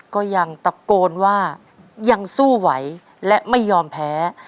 ก็ยังตะโกนว่ายังสู้ไหวและไม่ยอมแพ้